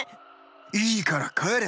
いいからかえれ！